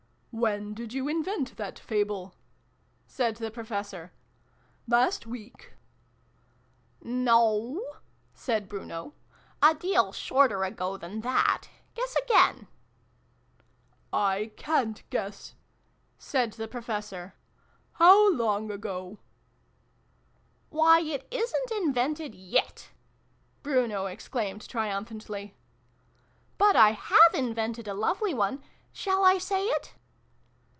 " When did you invent that Fable ?" said the Professor. " Last week ?" "No!" said Bruno. "A deal shorter ago than that. Guess again !"" I ca'n't guess," said the Professor. " How long ago ?"" Why, it isn't invented yet !" Bruno ex claimed triumphantly. " But I have invented a lovely one ! Shall I say it